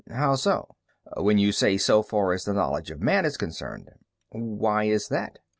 "How so?" "When you say 'so far as the knowledge of man is concerned.'" "Why is that?"